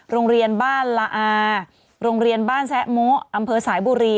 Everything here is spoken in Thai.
โรงเรียนบ้านละอาโรงเรียนบ้านแซะโมอำเภอสายบุรี